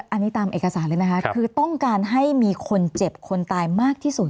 อันนี้ตามเอกสารเลยนะคะคือต้องการให้มีคนเจ็บคนตายมากที่สุด